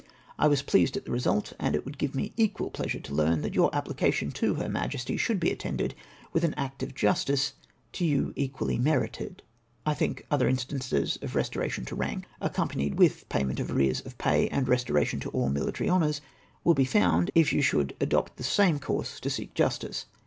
I was pleased at tbe result, and it would give me equal pleasure to learn that your application to her Majesty should be* attended with an act of justice to you equally merited. " I think other instances of restoration to rank, accom CAUSES FOR MY PEESECUTIOX. 391 panied with payment of arrears of pay and restoration to all military honours, will be fonnd if you should adopt the same course to seek j astice.